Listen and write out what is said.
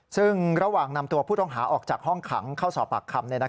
ซึ่งระหว่างนำตัวผู้ต้องหาออกจากห้องขังเข้าสอบปากคำ